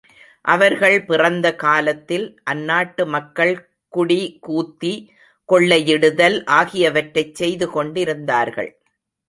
அவர்கள் பிறந்த காலத்தில், அந்நாட்டு மக்கள் குடி, கூத்தி, கொள்ளையிடுதல் ஆகியவற்றைச் செய்து கொண்டிருந்தார்கள்.